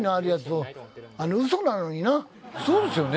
そうですよね！